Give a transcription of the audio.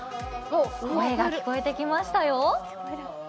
声が聞こえてきましたよ。